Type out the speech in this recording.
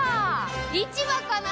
市場かな？